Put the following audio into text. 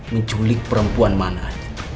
menculik perempuan mana aja